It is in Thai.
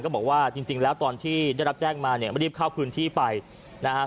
บอกว่าจริงแล้วตอนที่ได้รับแจ้งมาเนี่ยรีบเข้าพื้นที่ไปนะฮะ